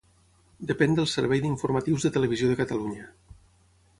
Depèn del servei d'informatius de Televisió de Catalunya.